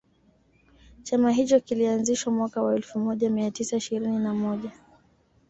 Chama hicho kilianzishwa mwaka wa elfumoja mia tisa ishirini na moja